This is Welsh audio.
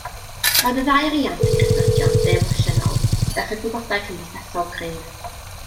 Roedd y ddau riant yn Gristnogion defosiynol gyda chydwybodau cymdeithasol cryf.